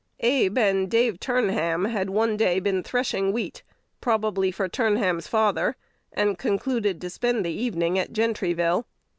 Abe and Dave Turnham had one day been threshing wheat, probably for Turnham's father, and concluded to spend the evening at Gentryville.